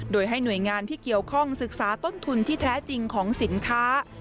โดยให้หน่วยงานที่เกี่ยวข้องศึกษาต้นทุนที่แท้จริงของสินค้า